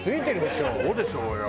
そうでしょうよ。